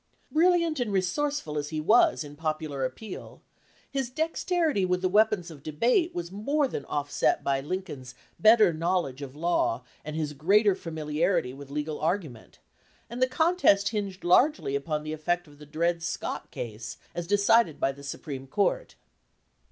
Brilliant and resourceful as he was in popular appeal, his dexterity with the weapons of debate was more than offset by Lincoln's better know ledge of law and his greater familiarity with legal argument, and the contest hinged largely upon the effect of the Dred Scott case as decided by the Supreme Court.